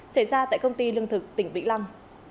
xảy ra tại công ty lương thực tỉnh vĩnh long